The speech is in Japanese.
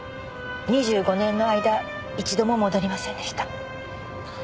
２５年の間一度も戻りませんでした。